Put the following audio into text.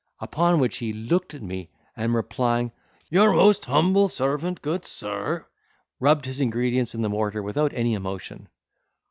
Upon which he looked at me, and replying, "Your most humble servant, good sir," rubbed his ingredients in the mortar without any emotion.